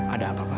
ada apa pak